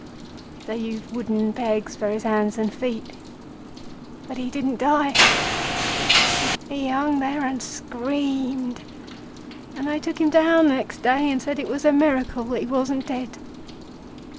They used wooden pegs for his hands and his feet; and he didn't die. He hung there and screamed, and they took him down next day, and said it was a miracle that he wasn't dead.